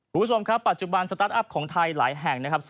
ผู้ชมครับปัจจุบันสตาร์ทอัพของไทยหลายแห่ง